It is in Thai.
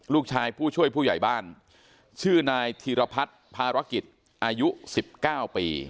ลูกชายผู้ช่วยผู้ใหญ่บ้านชื่อนายธิรพัฒน์ภารกิจอายุสิบเก้าปี